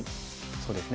そうですね。